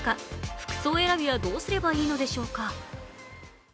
服装選びはどうすればいいのでしょうか？